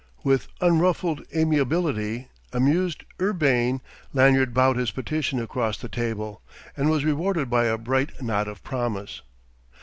With unruffled amiability, amused, urbane, Lanyard bowed his petition across the table, and was rewarded by a bright nod of promise.